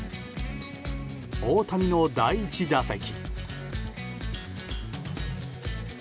大谷の第１打席。